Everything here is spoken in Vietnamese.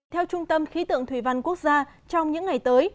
theo trung tâm khí tượng thủy văn quốc gia trong những ngày tới